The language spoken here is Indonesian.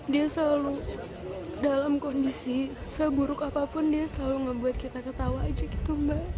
dia selalu dalam kondisi seburuk apapun dia selalu ngebuat kita ketawa aja gitu mbak